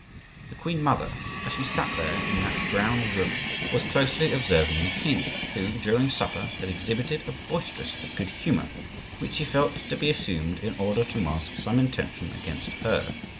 The queen mother, as she sat there in that brown room, was closely observing the king, who, during supper, had exhibited a boisterous good humor which she felt to be assumed in order to mask some intention against her.